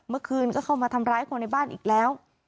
เมื่อคืนก็เข้ามาทำร้ายคนในบ้านอีกแล้ว